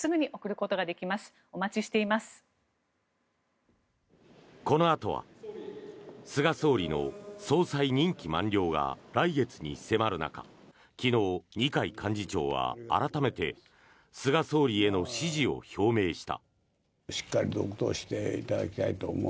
このあとは菅総理の総裁任期満了が来月に迫る中昨日、二階幹事長は改めて菅総理への支持を表明した。